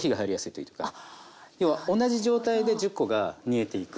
要は同じ状態で１０コが煮えていく。